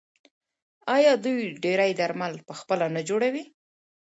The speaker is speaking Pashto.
آیا دوی ډیری درمل پخپله نه جوړوي؟